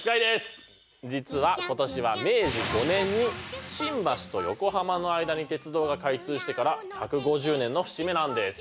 実は今年は明治５年に新橋と横浜の間に鉄道が開通してから１５０年の節目なんです。